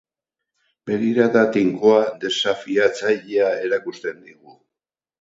Begirada tinkoa, desafiatzailea erakusten digu.